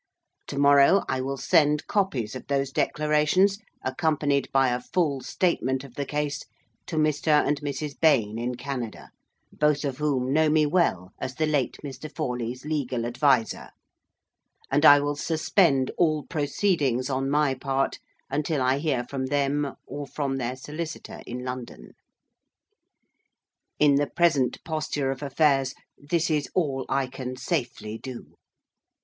To morrow I will send copies of those declarations, accompanied by a full statement of the case, to Mr. and Mrs. Bayne in Canada (both of whom know me well as the late Mr. Forley's legal adviser); and I will suspend all proceedings, on my part, until I hear from them, or from their solicitor in London. In the present posture of affairs this is all I can safely do."